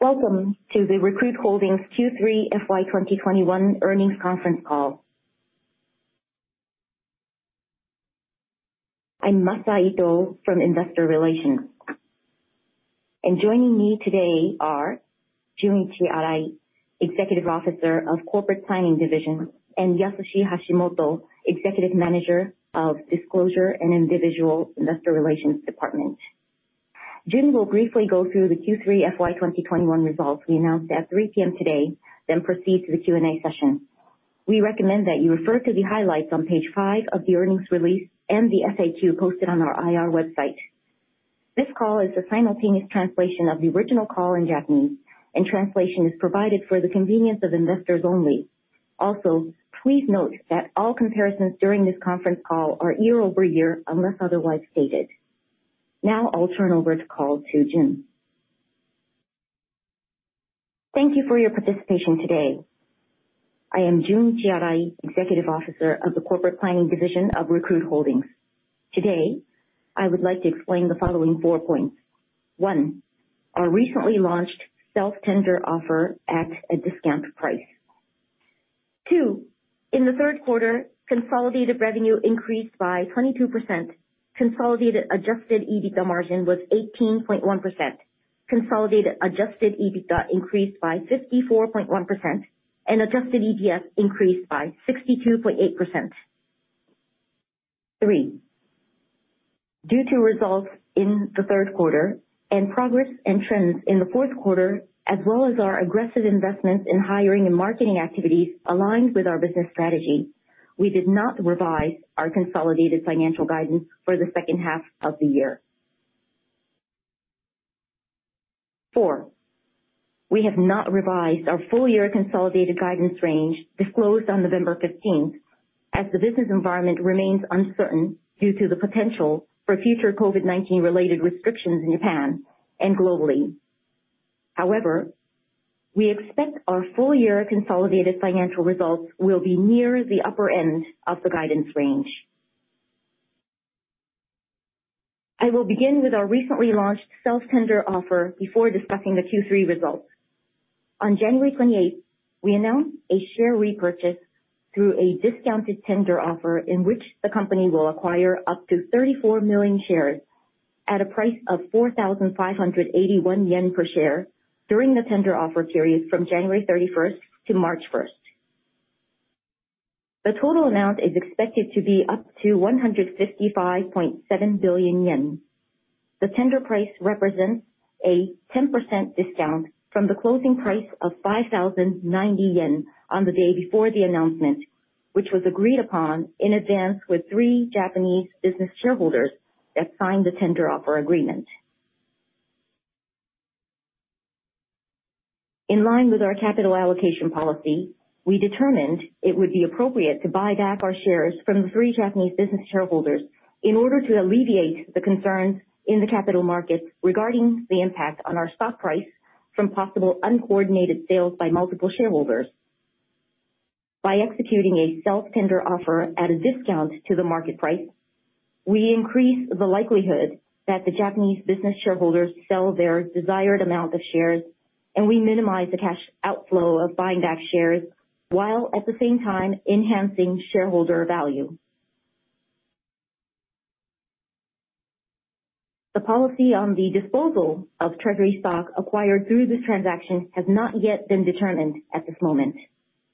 Welcome to the Recruit Holdings Q3 FY 2021 earnings conference call. I'm Masa Ito from Investor Relations. Joining me today are Junichi Arai, Executive Officer of Corporate Planning Division, and Yasushi Hashimoto, Executive Manager of Disclosure and Individual Investor Relations Department. Jun will briefly go through the Q3 FY 2021 results we announced at 3 P.M. today, then proceed to the Q&A session. We recommend that you refer to the highlights on page 5 of the earnings release and the FAQ posted on our IR website. This call is the simultaneous translation of the original call in Japanese, and translation is provided for the convenience of investors only. Also, please note that all comparisons during this conference call are year-over-year, unless otherwise stated. Now I'll turn over the call to Jun. Thank you for your participation today. I am Junichi Arai, Executive Officer of the Corporate Planning Division of Recruit Holdings. Today, I would like to explain the following 4 points. One, our recently launched self-tender offer at a discount price. Two, in the third quarter, consolidated revenue increased by 22%, consolidated adjusted EBITDA margin was 18.1%. Consolidated adjusted EBITDA increased by 54.1%, and adjusted EPS increased by 62.8%. Three, due to results in the third quarter and progress and trends in the fourth quarter, as well as our aggressive investments in hiring and marketing activities aligned with our business strategy, we did not revise our consolidated financial guidance for the second half of the year. Four, we have not revised our full year consolidated guidance range disclosed on November 15th as the business environment remains uncertain due to the potential for future COVID-19 related restrictions in Japan and globally. However, we expect our full year consolidated financial results will be near the upper end of the guidance range. I will begin with our recently launched self-tender offer before discussing the Q3 results. On January 28, we announced a share repurchase through a discounted tender offer in which the company will acquire up to 34 million shares at a price of 4,581 yen per share during the tender offer period from January 31 to March 1. The total amount is expected to be up to 155.7 billion yen. The tender price represents a 10% discount from the closing price of 5,090 yen on the day before the announcement, which was agreed upon in advance with three Japanese business shareholders that signed the tender offer agreement. In line with our capital allocation policy, we determined it would be appropriate to buy back our shares from the three Japanese business shareholders in order to alleviate the concerns in the capital markets regarding the impact on our stock price from possible uncoordinated sales by multiple shareholders. By executing a self-tender offer at a discount to the market price, we increase the likelihood that the Japanese business shareholders sell their desired amount of shares, and we minimize the cash outflow of buying back shares, while at the same time enhancing shareholder value. The policy on the disposal of treasury stock acquired through this transaction has not yet been determined at this moment.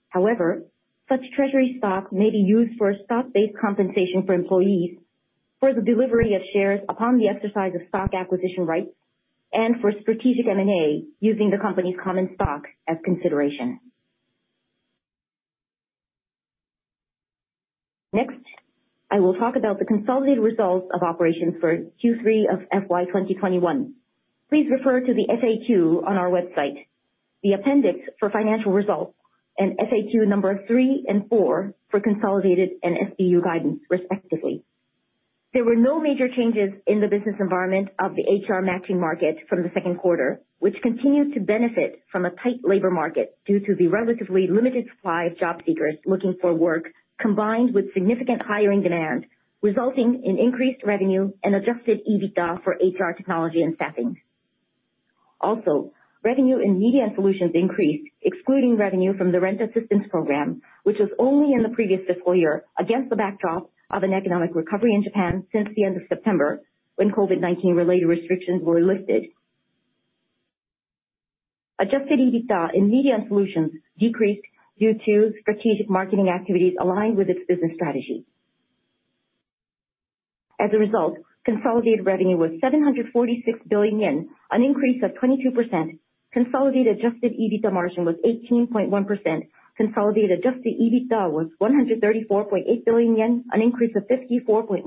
However, such treasury stock may be used for stock-based compensation for employees for the delivery of shares upon the exercise of stock acquisition rights and for strategic M&A using the company's common stock as consideration. Next, I will talk about the consolidated results of operations for Q3 of FY 2021. Please refer to the FAQ on our website, the appendix for financial results, and FAQ number 3 and 4 for consolidated and SBU guidance, respectively. There were no major changes in the business environment of the HR matching market from the second quarter, which continued to benefit from a tight labor market due to the relatively limited supply of job seekers looking for work, combined with significant hiring demand, resulting in increased revenue and adjusted EBITDA for HR Technology and staffing. Also, revenue in Matching & Solutions increased, excluding revenue from the rent assistance program, which was only in the previous fiscal year, against the backdrop of an economic recovery in Japan since the end of September, when COVID-19 related restrictions were lifted. Adjusted EBITDA in Matching & Solutions decreased due to strategic marketing activities aligned with its business strategy. Consolidated revenue was 746 billion yen, an increase of 22%. Consolidated adjusted EBITDA margin was 18.1%. Consolidated adjusted EBITDA was 134.8 billion yen, an increase of 54.1%,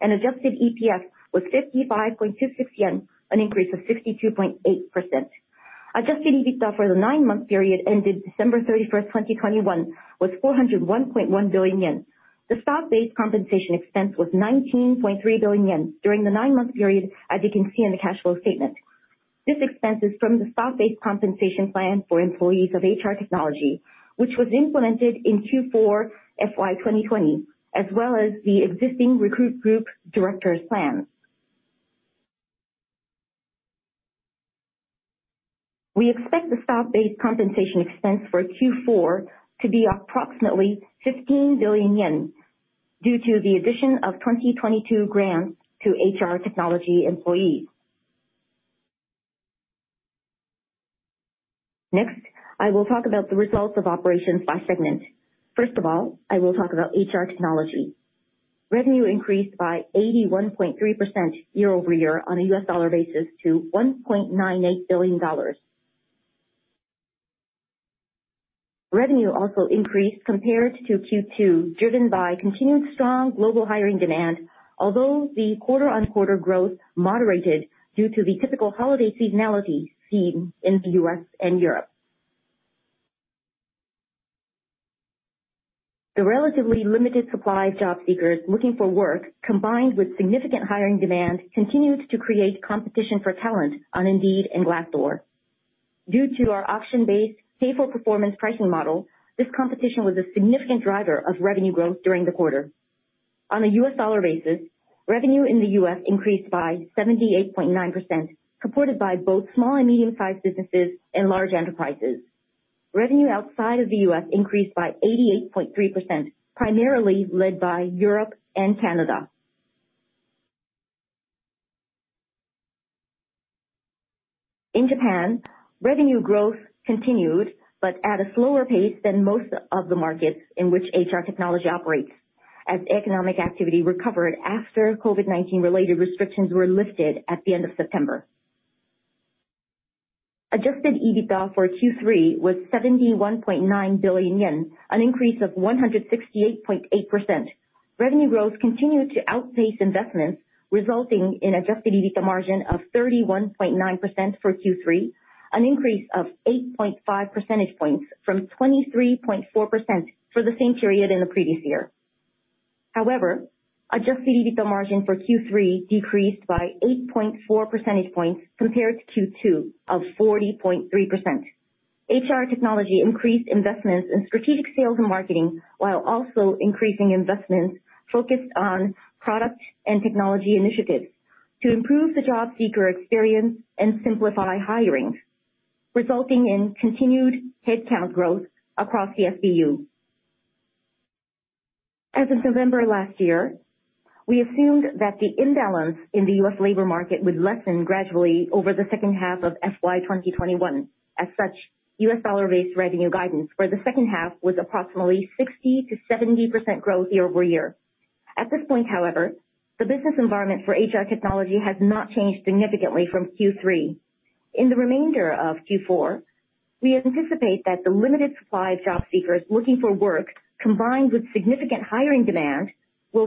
and adjusted EPS was 55.26 yen, an increase of 62.8%. Adjusted EBITDA for the nine-month period ended December 31, 2021 was 401.1 billion yen. The stock-based compensation expense was 19.3 billion yen during the nine-month period, as you can see in the cash flow statement. This expense is from the stock-based compensation plan for employees of HR Technology, which was implemented in Q4 FY 2020, as well as the existing Recruit Group directors plans. We expect the stock-based compensation expense for Q4 to be approximately 15 billion yen due to the addition of 2022 grants to HR Technology employees. Next, I will talk about the results of operations by segment. First of all, I will talk about HR Technology. Revenue increased by 81.3% year-over-year on a U.S. dollar basis to $1.98 billion. Revenue also increased compared to Q2, driven by continued strong global hiring demand. Although the quarter-on-quarter growth moderated due to the typical holiday seasonality seen in the U.S. and Europe. The relatively limited supply of job seekers looking for work, combined with significant hiring demand, continues to create competition for talent on Indeed and Glassdoor. Due to our auction-based pay for performance pricing model, this competition was a significant driver of revenue growth during the quarter. On a U.S. dollar basis, revenue in the U.S. increased by 78.9%, supported by both small and medium-sized businesses and large enterprises. Revenue outside of the U.S. increased by 88.3%, primarily led by Europe and Canada. In Japan, revenue growth continued, but at a slower pace than most of the markets in which HR Technology operates, as economic activity recovered after COVID-19 related restrictions were lifted at the end of September. Adjusted EBITDA for Q3 was 71.9 billion yen, an increase of 168.8%. Revenue growth continued to outpace investments, resulting in adjusted EBITDA margin of 31.9% for Q3, an increase of 8.5 percentage points from 23.4% for the same period in the previous year. However, adjusted EBITDA margin for Q3 decreased by 8.4 percentage points compared to Q2 of 40.3%. HR Technology increased investments in strategic sales and marketing, while also increasing investments focused on product and technology initiatives to improve the job seeker experience and Simplify Hiring, resulting in continued headcount growth across the SBU. As of November last year, we assumed that the imbalance in the U.S. labor market would lessen gradually over the second half of FY 2021. As such, U.S. dollar-based revenue guidance for the second half was approximately 60%-70% growth year-over-year. At this point, however, the business environment for HR Technology has not changed significantly from Q3. In the remainder of Q4, we anticipate that the limited supply of job seekers looking for work, combined with significant hiring demand, will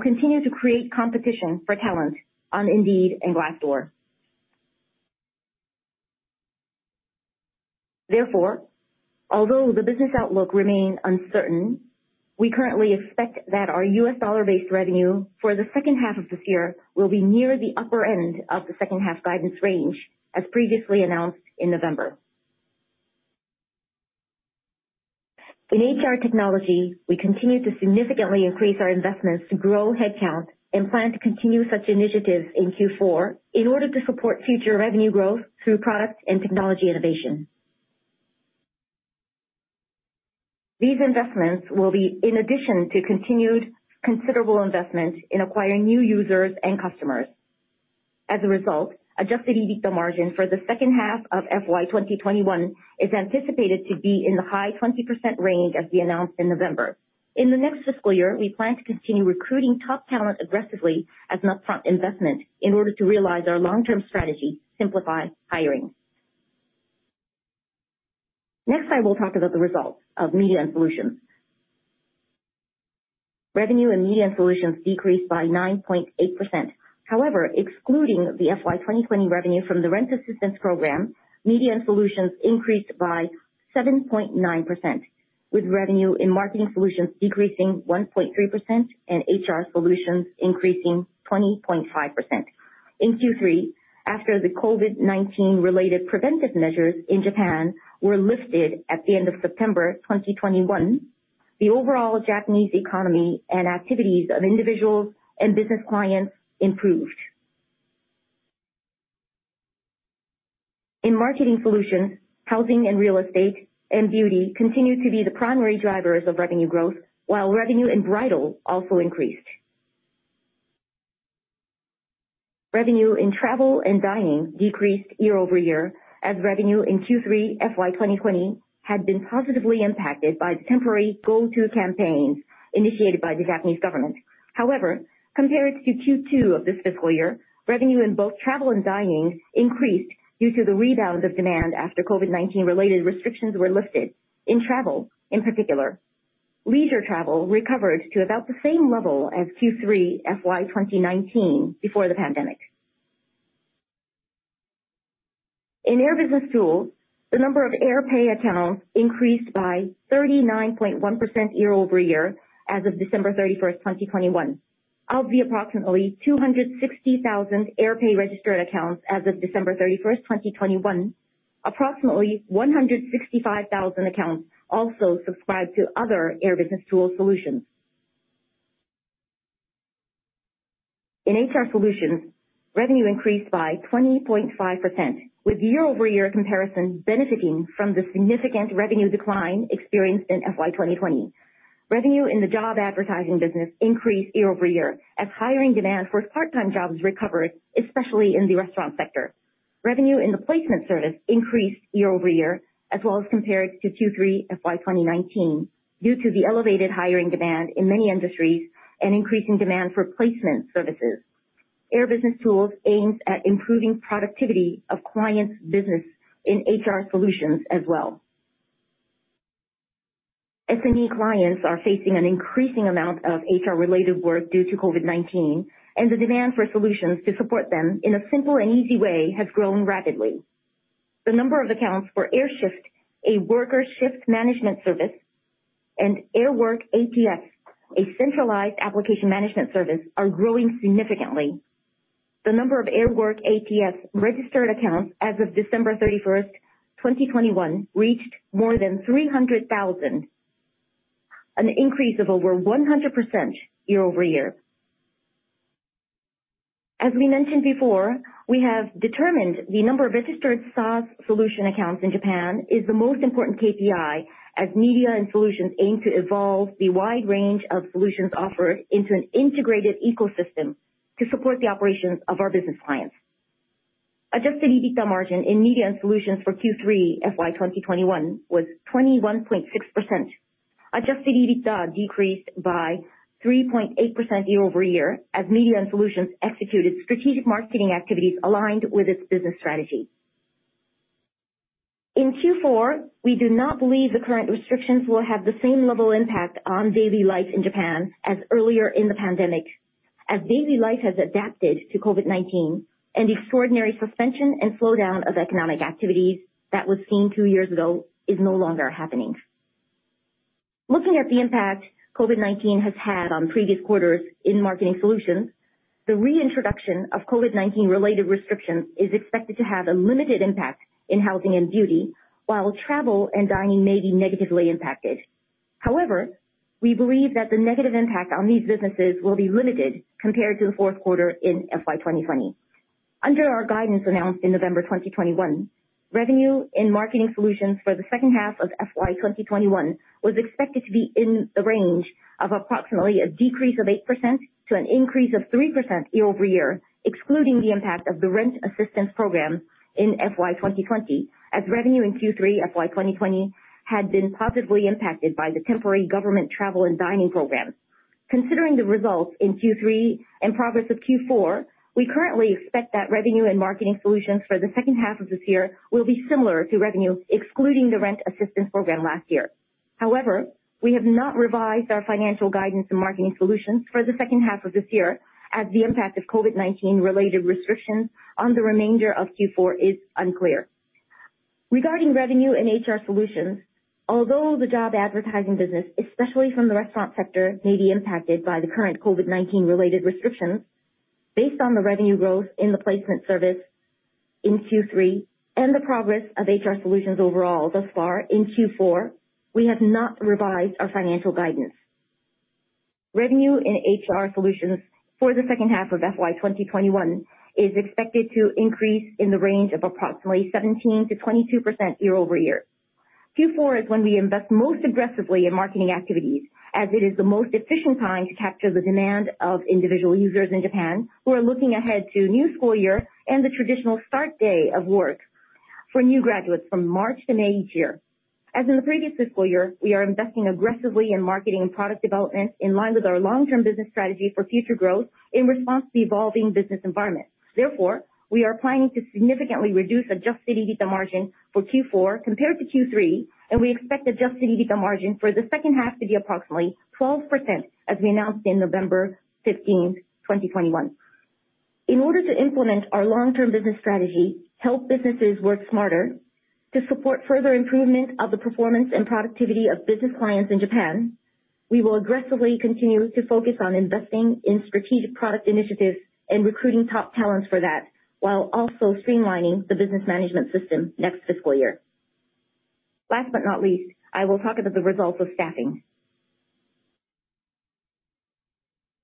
continue to create competition for talent on Indeed and Glassdoor. Therefore, although the business outlook remains uncertain, we currently expect that our U.S. dollar-based revenue for the second half of this year will be near the upper end of the second half guidance range as previously announced in November. In HR Technology, we continue to significantly increase our investments to grow headcount and plan to continue such initiatives in Q4 in order to support future revenue growth through product and technology innovation. These investments will be in addition to continued considerable investments in acquiring new users and customers. As a result, adjusted EBITDA margin for the second half of FY 2021 is anticipated to be in the high 20% range as we announced in November. In the next fiscal year, we plan to continue recruiting top talent aggressively as an upfront investment in order to realize our long-term strategy, Simplify Hiring. Next, I will talk about the results of Matching & Solutions. Revenue in Matching & Solutions decreased by 9.8%. However, excluding the FY 2020 revenue from the rent assistance program, Matching & Solutions increased by 7.9%, with revenue in Marketing Solutions decreasing 1.3% and HR Solutions increasing 20.5%. In Q3, after the COVID-19 related preventive measures in Japan were lifted at the end of September 2021, the overall Japanese economy and activities of individuals and business clients improved. In Marketing Solutions, housing and real estate and beauty continued to be the primary drivers of revenue growth, while revenue in bridal also increased. Revenue in travel and dining decreased year-over-year as revenue in Q3 FY 2020 had been positively impacted by temporary go-to campaigns initiated by the Japanese government. However, compared to Q2 of this fiscal year, revenue in both travel and dining increased due to the rebound of demand after COVID-19 related restrictions were lifted. In travel, in particular, leisure travel recovered to about the same level as Q3 FY 2019 before the pandemic. In Air BusinessTools, the number of AirPAY accounts increased by 39.1% year-over-year as of December 31, 2021. Of the approximately 260,000 AirPAY registered accounts as of December 31, 2021, approximately 165,000 accounts also subscribed to other Air BusinessTools solutions. In HR Solutions, revenue increased by 20.5% with year-over-year comparison benefiting from the significant revenue decline experienced in FY 2020. Revenue in the job advertising business increased year-over-year as hiring demand for part-time jobs recovered, especially in the restaurant sector. Revenue in the placement service increased year-over-year as well as compared to Q3 FY 2019 due to the elevated hiring demand in many industries and increasing demand for placement services. Air BusinessTools aims at improving productivity of clients business in HR Solutions as well. SME clients are facing an increasing amount of HR-related work due to COVID-19, and the demand for solutions to support them in a simple and easy way has grown rapidly. The number of accounts for AirSHIFT, a worker shift management service, and AirWORK APS, a centralized application management service, are growing significantly. The number of AirWORK APS registered accounts as of December 31, 2021, reached more than 300,000, an increase of over 100% year-over-year. As we mentioned before, we have determined the number of registered SaaS solution accounts in Japan is the most important KPI as Matching & Solutions aim to evolve the wide range of solutions offered into an integrated ecosystem to support the operations of our business clients. Adjusted EBITDA margin in Matching & Solutions for Q3 FY 2021 was 21.6%. adjusted EBITDA decreased by 3.8% year-over-year as Matching & Solutions executed strategic marketing activities aligned with its business strategy. In Q4, we do not believe the current restrictions will have the same level impact on daily life in Japan as earlier in the pandemic, as daily life has adapted to COVID-19 and extraordinary suspension and slowdown of economic activities that was seen two years ago is no longer happening. Looking at the impact COVID-19 has had on previous quarters in Marketing Solutions, the reintroduction of COVID-19 related restrictions is expected to have a limited impact in housing and beauty, while travel and dining may be negatively impacted. However, we believe that the negative impact on these businesses will be limited compared to the fourth quarter in FY 2020. Under our guidance announced in November 2021, revenue in Marketing Solutions for the second half of FY 2021 was expected to be in the range of approximately a decrease of 8% to an increase of 3% year-over-year, excluding the impact of the rent assistance program in FY 2020, as revenue in Q3 FY 2020 had been positively impacted by the temporary government travel and dining program. Considering the results in Q3 and progress of Q4, we currently expect that revenue in Marketing Solutions for the second half of this year will be similar to revenue excluding the rent assistance program last year. However, we have not revised our financial guidance in Marketing Solutions for the second half of this year, as the impact of COVID-19 related restrictions on the remainder of Q4 is unclear. Regarding revenue and HR Solutions, although the job advertising business, especially from the restaurant sector, may be impacted by the current COVID-19 related restrictions, based on the revenue growth in the placement service in Q3 and the progress of HR Solutions overall thus far in Q4, we have not revised our financial guidance. Revenue in HR Solutions for the second half of FY 2021 is expected to increase in the range of approximately 17%-22% year-over-year. Q4 is when we invest most aggressively in marketing activities, as it is the most efficient time to capture the demand of individual users in Japan who are looking ahead to new school year and the traditional start day of work for new graduates from March to May each year. As in the previous fiscal year, we are investing aggressively in marketing and product development in line with our long-term business strategy for future growth in response to the evolving business environment. Therefore, we are planning to significantly reduce adjusted EBITDA margin for Q4 compared to Q3, and we expect adjusted EBITDA margin for the second half to be approximately 12%, as we announced in November 15, 2021. In order to implement our long-term business strategy, Help Businesses Work Smarter to support further improvement of the performance and productivity of business clients in Japan, we will aggressively continue to focus on investing in strategic product initiatives and recruiting top talents for that, while also streamlining the business management system next fiscal year. Last but not least, I will talk about the results of staffing.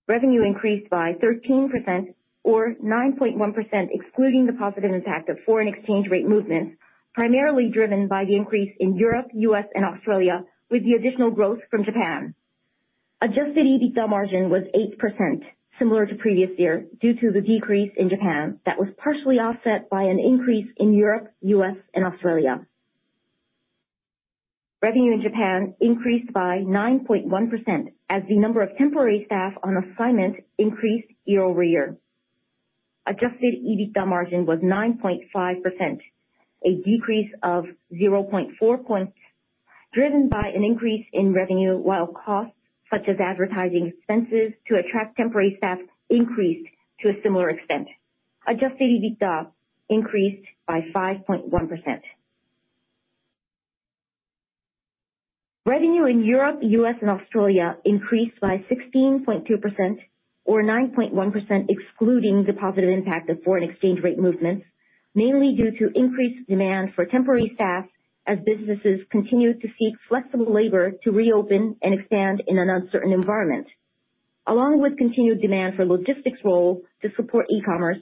Revenue increased by 13% or 9.1%, excluding the positive impact of foreign exchange rate movements, primarily driven by the increase in Europe, U.S. and Australia, with the additional growth from Japan. Adjusted EBITDA margin was 8%, similar to previous year, due to the decrease in Japan. That was partially offset by an increase in Europe, U.S. and Australia. Revenue in Japan increased by 9.1% as the number of temporary staff on assignment increased year-over-year. Adjusted EBITDA margin was 9.5%, a decrease of 0.4 points, driven by an increase in revenue, while costs such as advertising expenses to attract temporary staff increased to a similar extent. Adjusted EBITDA increased by 5.1%. Revenue in Europe, U.S. and Australia increased by 16.2% or 9.1%, excluding the positive impact of foreign exchange rate movements. Mainly due to increased demand for temporary staff as businesses continue to seek flexible labor to reopen and expand in an uncertain environment. Along with continued demand for logistics role to support e-commerce,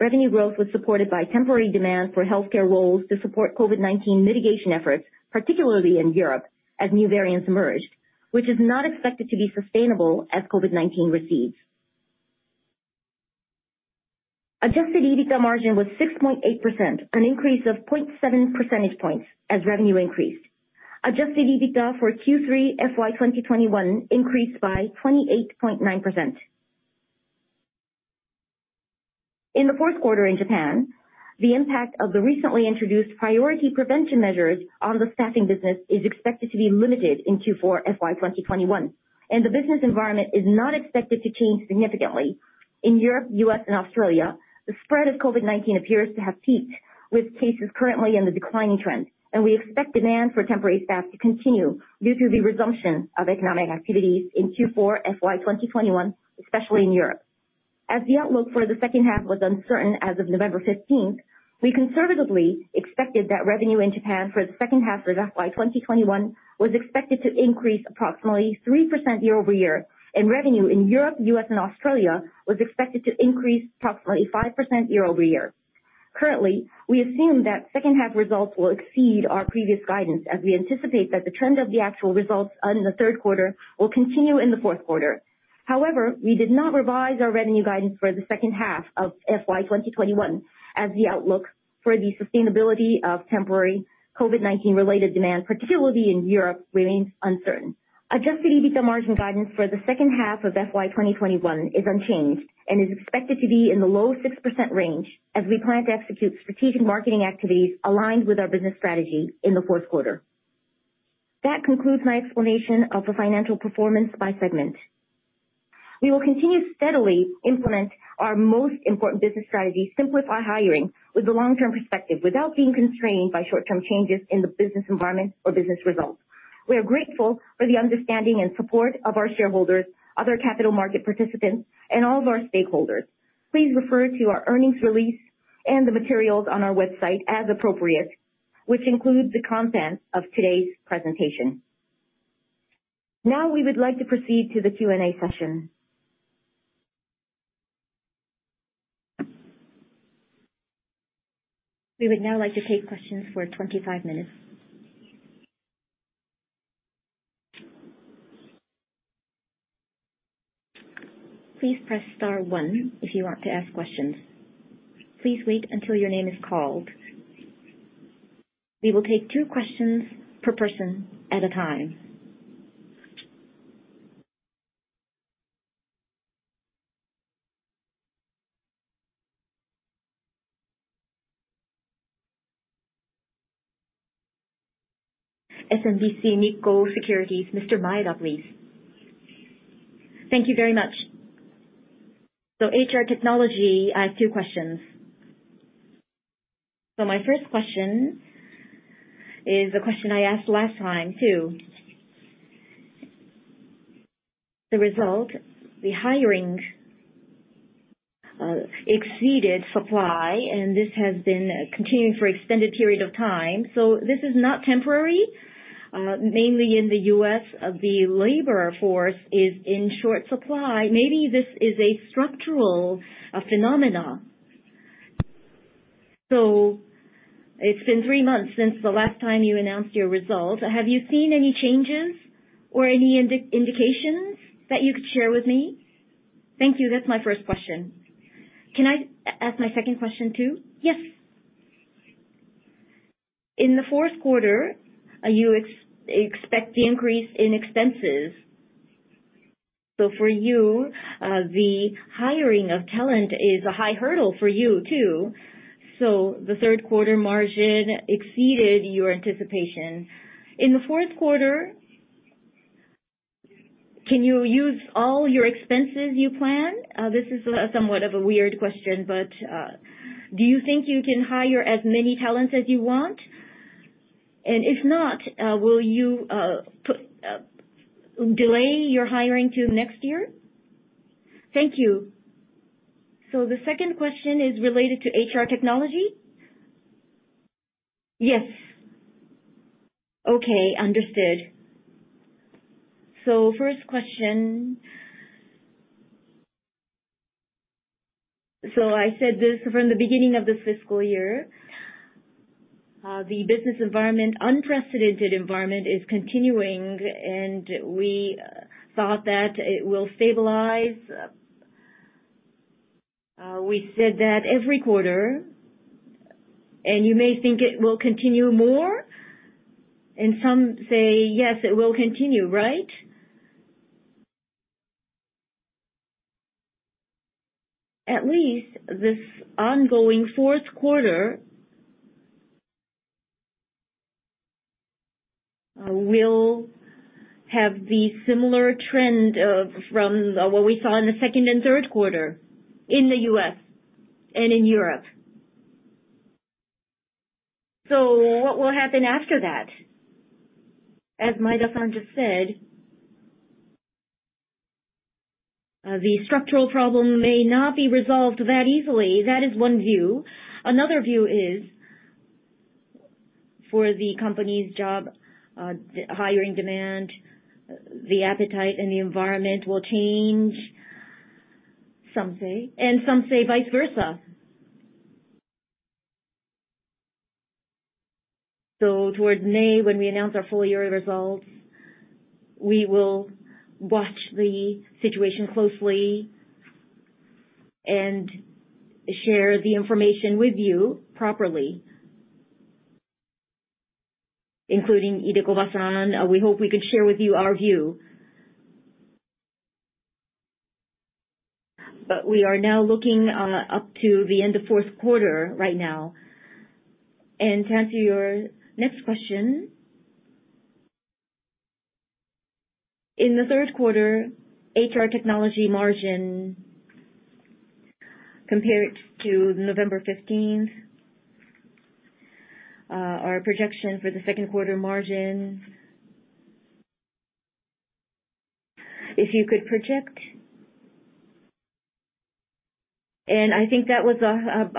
revenue growth was supported by temporary demand for healthcare roles to support COVID-19 mitigation efforts, particularly in Europe, as new variants emerged, which is not expected to be sustainable as COVID-19 recedes. Adjusted EBITDA margin was 6.8%, an increase of 0.7 percentage points as revenue increased. Adjusted EBITDA for Q3 FY 2021 increased by 28.9%. In the fourth quarter in Japan, the impact of the recently introduced priority prevention measures on the staffing business is expected to be limited in Q4 FY 2021, and the business environment is not expected to change significantly. In Europe, U.S., and Australia, the spread of COVID-19 appears to have peaked, with cases currently in the declining trend, and we expect demand for temporary staff to continue due to the resumption of economic activities in Q4 FY 2021, especially in Europe. As the outlook for the second half was uncertain as of November 15, we conservatively expected that revenue in Japan for the second half of FY 2021 was expected to increase approximately 3% year-over-year, and revenue in Europe, U.S., and Australia was expected to increase approximately 5% year-over-year. Currently, we assume that second half results will exceed our previous guidance as we anticipate that the trend of the actual results in the third quarter will continue in the fourth quarter. However, we did not revise our revenue guidance for the second half of FY 2021 as the outlook for the sustainability of temporary COVID-19 related demand, particularly in Europe, remains uncertain. Adjusted EBITDA margin guidance for the second half of FY 2021 is unchanged and is expected to be in the low 6% range as we plan to execute strategic marketing activities aligned with our business strategy in the fourth quarter. That concludes my explanation of the financial performance by segment. We will continue to steadily implement our most important business strategy, Simplify Hiring, with a long-term perspective without being constrained by short-term changes in the business environment or business results. We are grateful for the understanding and support of our shareholders, other capital market participants, and all of our stakeholders. Please refer to our earnings release and the materials on our website as appropriate, which includes the content of today's presentation. Now we would like to proceed to the Q&A session. We would now like to take questions for 25 minutes. Please press star one if you want to ask questions. Please wait until your name is called. We will take two questions per person at a time. SMBC Nikko Securities, Mr. Maeda, please. Thank you very much. HR Technology, I have two questions. My first question is a question I asked last time too. The result, the hiring, exceeded supply, and this has been continuing for extended period of time. This is not temporary. Mainly in the U.S., the labor force is in short supply. Maybe this is a structural phenomenon. It's been three months since the last time you announced your results. Have you seen any changes or any indications that you could share with me? Thank you. That's my first question. Can I ask my second question too? Yes. In the fourth quarter, you expect the increase in expenses. For you, the hiring of talent is a high hurdle for you too. The third quarter margin exceeded your anticipation. In the fourth quarter, can you use all your expenses you planned? This is somewhat of a weird question, but do you think you can hire as many talents as you want? If not, will you delay your hiring to next year? Thank you. The second question is related to HR Technology? Yes. Okay. Understood. First question. I said this from the beginning of this fiscal year. The business environment, unprecedented environment is continuing, and we thought that it will stabilize. We said that every quarter, and you may think it will continue more, and some say, yes, it will continue, right? At least this ongoing fourth quarter will have the similar trend from what we saw in the second and third quarter in the U.S. and in Europe. What will happen after that? As Maeda-san just said- The structural problem may not be resolved that easily. That is one view. Another view is for the company's job hiring demand, the appetite and the environment will change, some say, and some say vice versa. Toward May, when we announce our full year results, we will watch the situation closely and share the information with you properly. Including Hisayuki Idekoba, we hope we can share with you our view. We are now looking up to the end of fourth quarter right now. To answer your next question, in the third quarter, HR Technology margin compared to November fifteenth, our projection for the second quarter margin. If you could project. I think that was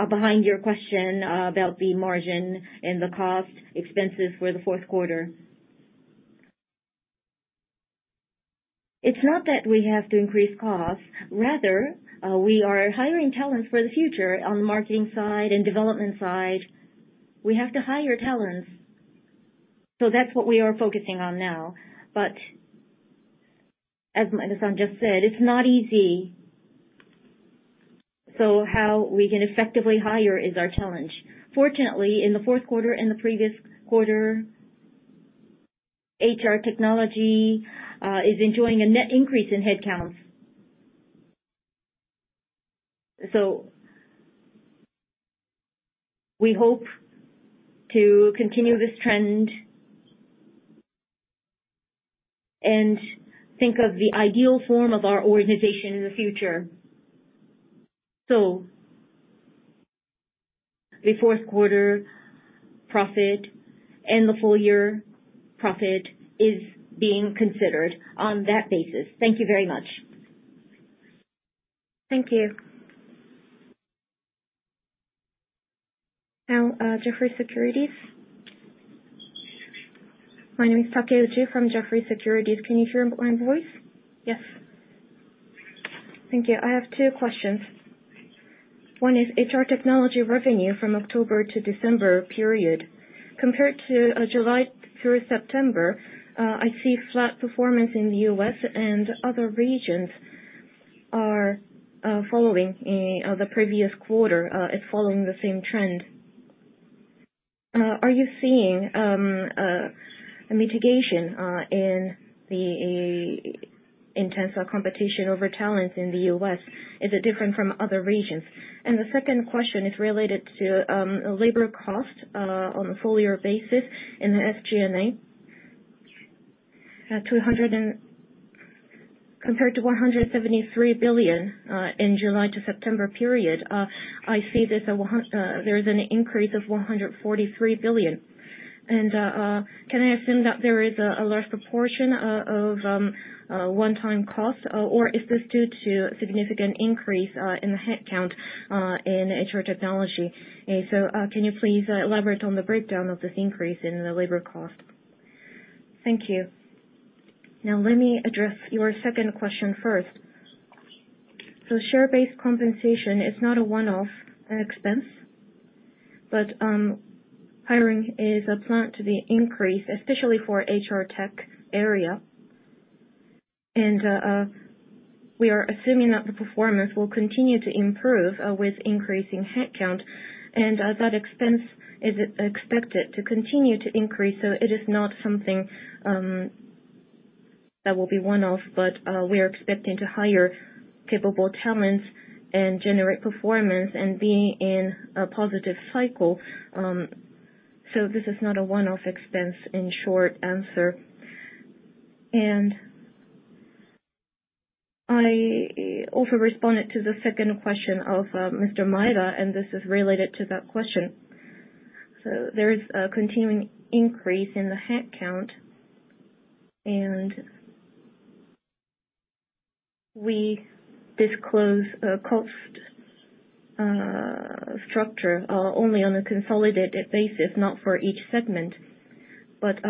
behind your question about the margin and the cost expenses for the fourth quarter. It's not that we have to increase costs. Rather, we are hiring talents for the future on the marketing side and development side. We have to hire talents, so that's what we are focusing on now. As Idekoba just said, it's not easy. How we can effectively hire is our challenge. Fortunately, in the fourth quarter and the previous quarter, HR Technology is enjoying a net increase in headcounts. We hope to continue this trend and think of the ideal form of our organization in the future. The fourth quarter profit and the full year profit is being considered on that basis. Thank you very much. Thank you. Now, Jefferies Securities. My name is Takeuchi from Jefferies Securities. Can you hear my voice? Yes. Thank you. I have two questions. One is HR Technology revenue from October to December period. Compared to July through September, I see flat performance in the U.S. and other regions are following the previous quarter is following the same trend. Are you seeing a mitigation in the intense competition over talent in the U.S.? Is it different from other regions? The second question is related to labor cost on a full year basis in the SG&A. At two hundred and compared to 173 billion in July to September period, I see there's an increase of 143 billion. Can I assume that there is a large proportion of one-time costs, or is this due to significant increase in the headcount in HR Technology? Can you please elaborate on the breakdown of this increase in the labor cost? Thank you. Now let me address your second question first. Share-based compensation is not a one-off expense, but hiring is planned to be increased, especially for HR tech area. We are assuming that the performance will continue to improve with increasing headcount. As that expense is expected to continue to increase. It is not something that will be one-off, but we are expecting to hire capable talents and generate performance and being in a positive cycle. This is not a one-off expense, in short answer. I also responded to the second question of Mr. Maeda, and this is related to that question. There is a continuing increase in the headcount, and we disclose a cost structure only on a consolidated basis, not for each segment.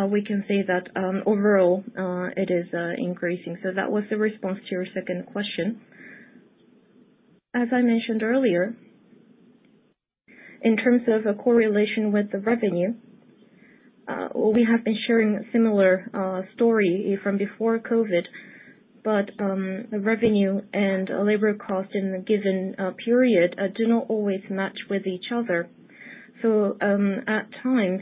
We can say that overall it is increasing. That was the response to your second question. As I mentioned earlier, in terms of a correlation with the revenue, we have been sharing a similar story from before COVID, but the revenue and labor cost in a given period do not always match with each other. At times,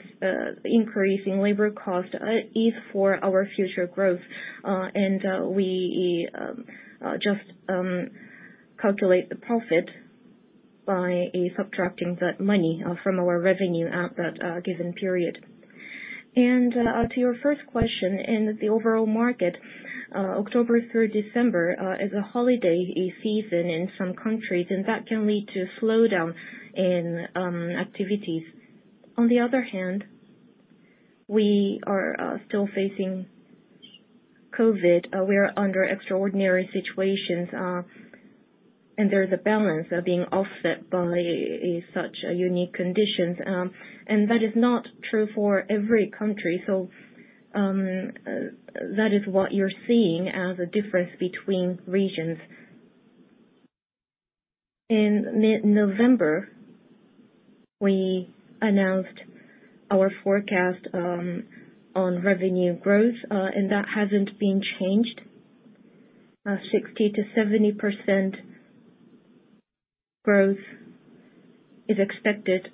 increase in labor cost is for our future growth, and we just calculate the profit by subtracting that money from our revenue at that given period. To your first question, in the overall market, October through December is a holiday season in some countries, and that can lead to slowdown in activities. On the other hand, we are still facing COVID. We are under extraordinary situations, and there's a balance of being offset by such unique conditions. And that is not true for every country. That is what you're seeing as a difference between regions. In mid-November, we announced our forecast on revenue growth, and that hasn't been changed. 60%-70% growth is expected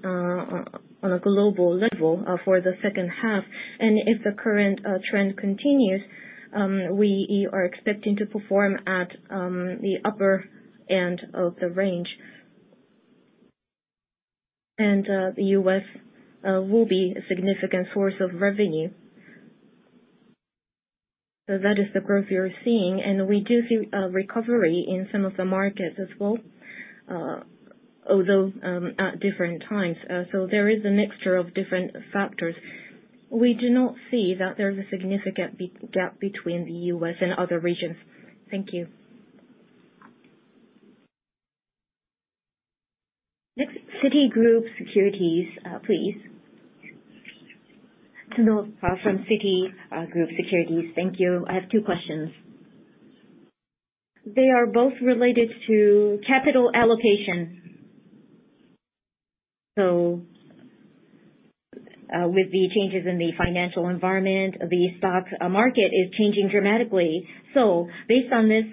on a global level for the second half. The U.S. will be a significant source of revenue. That is the growth we are seeing. We do see a recovery in some of the markets as well, although, at different times. There is a mixture of different factors. We do not see that there's a significant big gap between the U.S. and other regions. Thank you. Next, Citigroup Securities, please. Tsuruo from Citigroup Securities. Thank you. I have two questions. They are both related to capital allocation. With the changes in the financial environment, the stock market is changing dramatically. Based on this,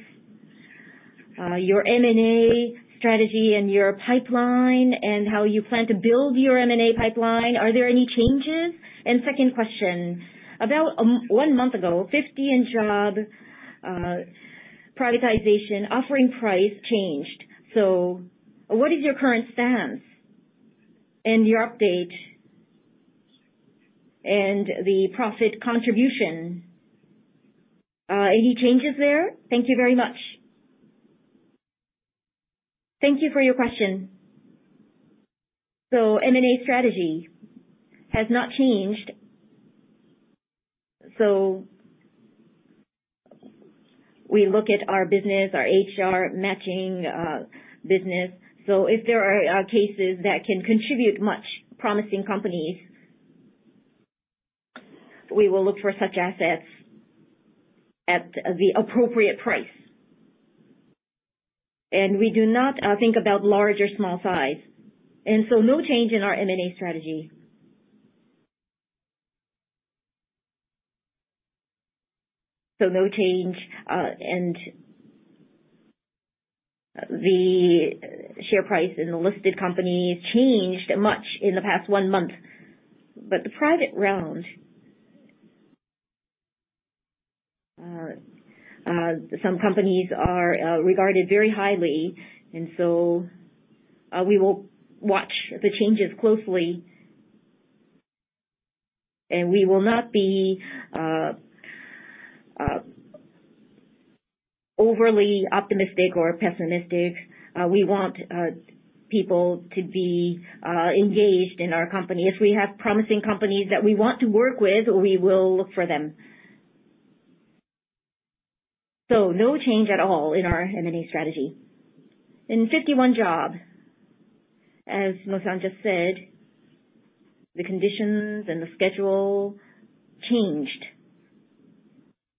your M&A strategy and your pipeline and how you plan to build your M&A pipeline, are there any changes? And second question, about one month ago, 51job privatization offering price changed. So what is your current stance and your update and the profit contribution? Any changes there? Thank you very much. Thank you for your question. M&A strategy has not changed. We look at our business, our HR matching business. If there are cases that can contribute much promising companies, we will look for such assets at the appropriate price. We do not think about large or small size, and so no change in our M&A strategy. No change. The share price in the listed company changed much in the past one month. The private round, some companies are regarded very highly, and so we will watch the changes closely. We will not be overly optimistic or pessimistic. We want people to be engaged in our company. If we have promising companies that we want to work with, we will look for them. No change at all in our M&A strategy. In 51job, as Masa just said, the conditions and the schedule changed,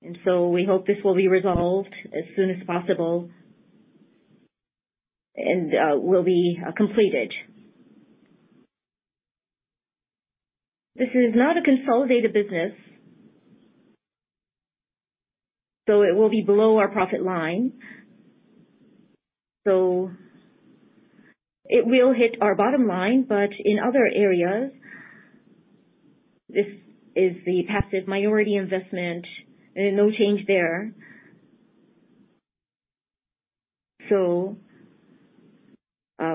and so we hope this will be resolved as soon as possible and will be completed. This is not a consolidated business, so it will be below our profit line. It will hit our bottom line, but in other areas, this is the passive minority investment and no change there.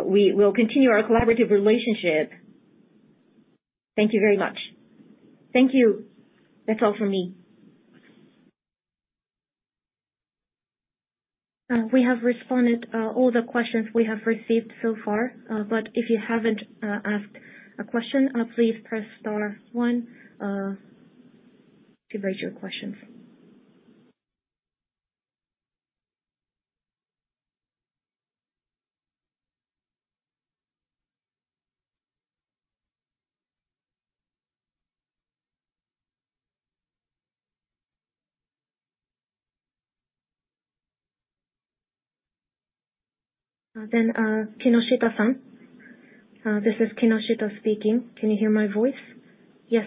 We will continue our collaborative relationship. Thank you very much. Thank you. That's all for me. We have responded to all the questions we have received so far. If you haven't asked a question, please press star one to raise your questions. Kinoshita-san. This is Kinoshita speaking. Can you hear my voice? Yes.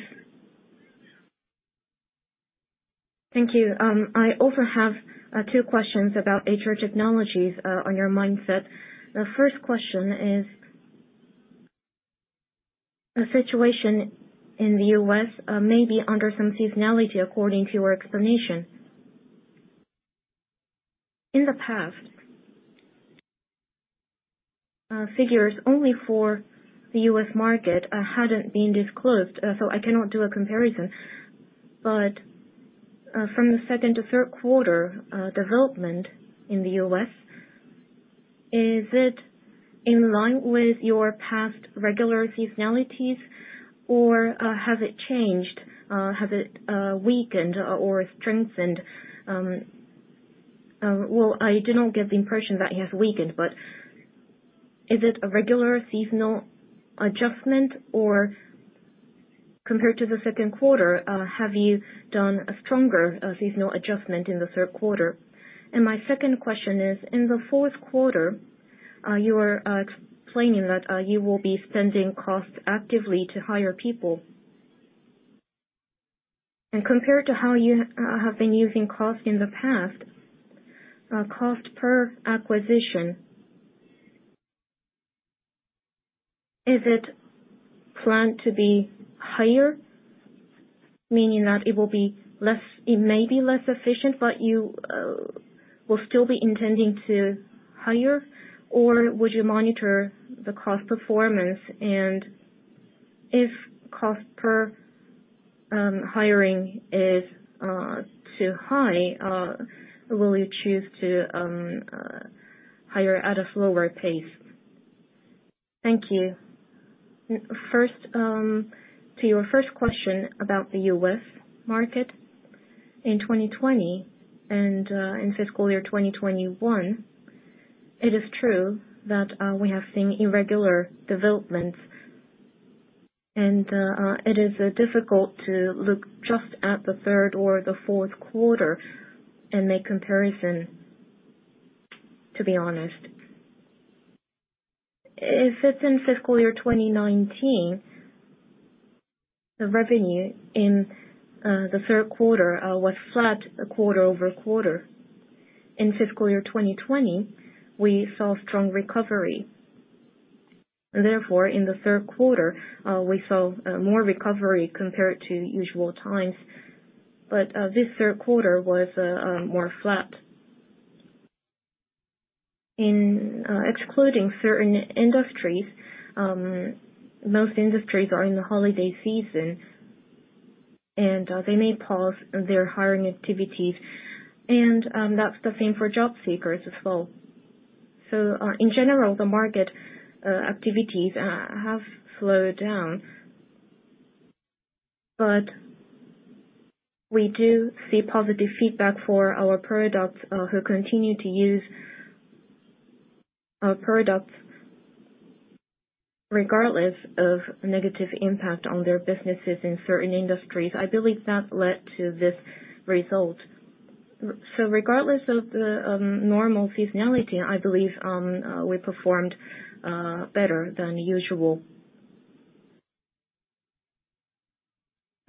Thank you. I also have two questions about HR technologies on your mindset. The first question is, the situation in the U.S. may be under some seasonality according to your explanation. In the past, figures only for the U.S. market hadn't been disclosed, so I cannot do a comparison. From the second to third quarter, development in the U.S. - is it in line with your past regular seasonalities or has it changed? Has it weakened or strengthened? Well, I do not get the impression that it has weakened, but is it a regular seasonal adjustment? Or compared to the second quarter, have you done a stronger seasonal adjustment in the third quarter? My second question is, in the fourth quarter, you are explaining that you will be spending costs actively to hire people. Compared to how you have been using cost in the past, cost per acquisition, is it planned to be higher? Meaning that it will be less, it may be less efficient but you will still be intending to hire? Would you monitor the cost performance? If cost per hiring is too high, will you choose to hire at a slower pace? Thank you. First, to your first question about the U.S. market, in 2020 and in fiscal year 2021, it is true that we have seen irregular developments. It is difficult to look just at the third or the fourth quarter and make comparison, to be honest. If it's in fiscal year 2019, the revenue in the third quarter was flat quarter-over-quarter. In fiscal year 2020, we saw strong recovery. Therefore, in the third quarter, we saw more recovery compared to usual times. This third quarter was more flat. Excluding certain industries, most industries are in the holiday season, and they may pause their hiring activities, and that's the same for job seekers as well. In general, the market activities have slowed down. We do see positive feedback from customers who continue to use our products regardless of negative impact on their businesses in certain industries. I believe that led to this result. Regardless of the normal seasonality, I believe we performed better than usual.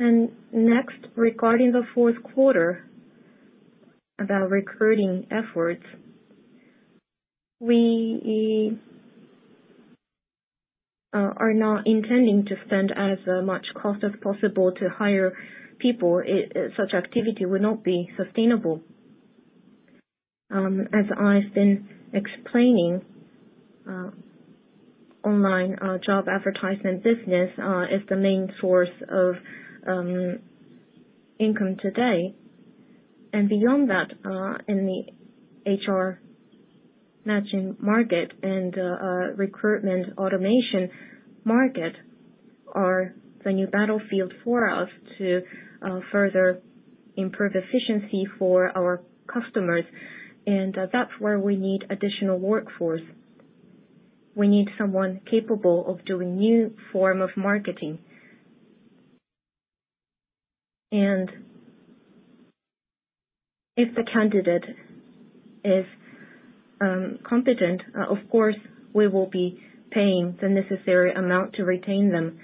Next, regarding the fourth quarter, about recruiting efforts, we are not intending to spend as much cost as possible to hire people. Such activity would not be sustainable. As I've been explaining, online job advertisement business is the main source of income today. Beyond that, in the HR matching market and recruitment automation market are the new battlefield for us to further improve efficiency for our customers. That's where we need additional workforce. We need someone capable of doing new form of marketing. If the candidate is competent, of course, we will be paying the necessary amount to retain them.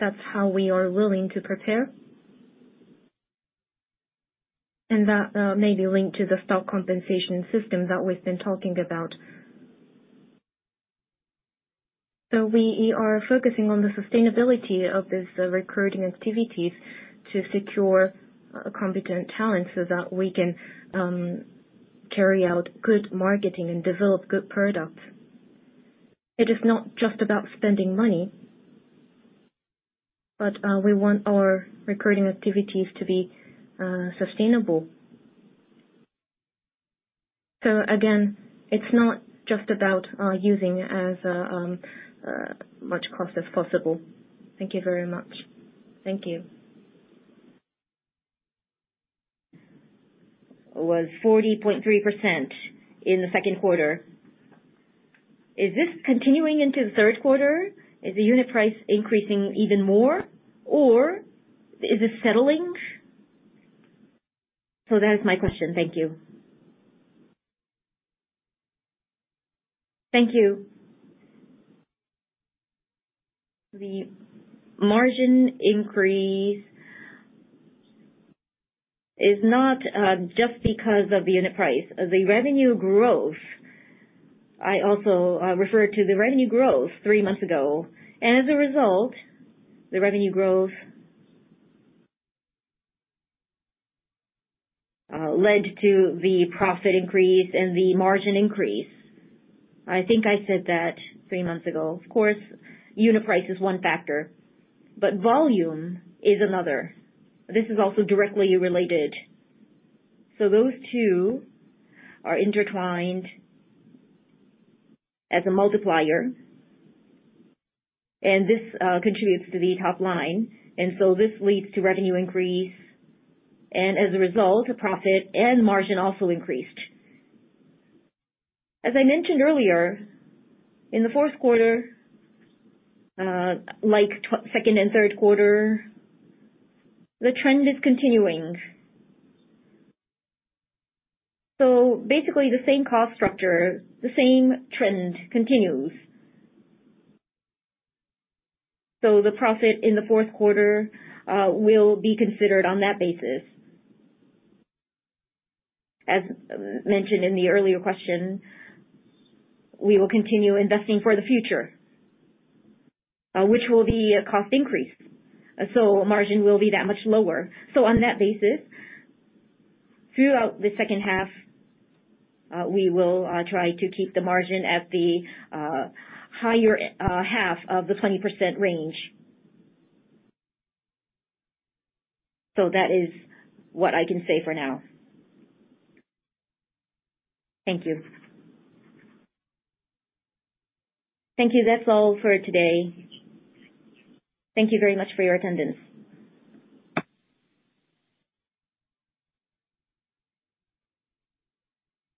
That's how we are willing to prepare. That may be linked to the stock compensation system that we've been talking about. We are focusing on the sustainability of these recruiting activities to secure competent talent so that we can carry out good marketing and develop good products. It is not just about spending money, but we want our recruiting activities to be sustainable. Again, it's not just about using as much cost as possible. Thank you very much. Thank you. It was 40.3% in the second quarter. Is this continuing into the third quarter? Is the unit price increasing even more, or is it settling? That is my question. Thank you. Thank you. The margin increase is not just because of the unit price. The revenue growth, I also referred to the revenue growth three months ago. As a result, the revenue growth led to the profit increase and the margin increase. I think I said that three months ago. Of course, unit price is one factor, but volume is another. This is also directly related. Those two are intertwined as a multiplier, and this contributes to the top line. This leads to revenue increase, and as a result, profit and margin also increased. As I mentioned earlier, in the fourth quarter, like second and third quarter, the trend is continuing. Basically, the same cost structure, the same trend continues. The profit in the fourth quarter will be considered on that basis. As mentioned in the earlier question, we will continue investing for the future, which will be a cost increase, so margin will be that much lower. On that basis, throughout the second half, we will try to keep the margin at the higher half of the 20% range. That is what I can say for now. Thank you. Thank you. That's all for today. Thank you very much for your attendance.